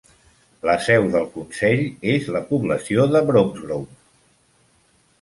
La seu del consell és la població de Bromsgrove.